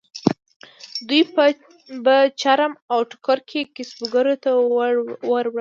دوی به چرم او ټوکر کسبګرو ته ووړل.